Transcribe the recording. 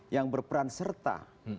yang berperan serta